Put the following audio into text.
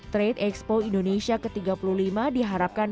trade expo indonesia ke tiga puluh lima diharapkan